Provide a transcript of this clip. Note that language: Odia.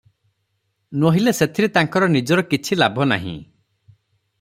ନୋହିଲେ ସେଥିରେ ତାଙ୍କର ନିଜର କିଛିଲାଭ ନାହିଁ ।